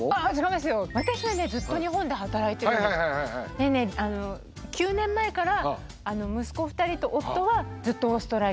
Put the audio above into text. でね９年前から息子２人と夫はずっとオーストラリアにいるので。